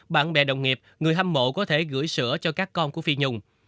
bạn bè đồng nghiệp người hâm mộ có thể gửi sữa cho các con của phi nhung